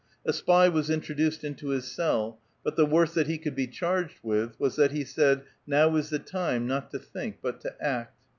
A spy was introduced into his cell ; but the worst that be could be charged with was that he said, *' Now is the time, not to think, but to act."